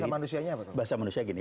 bahasa manusianya apa bahasa manusia gini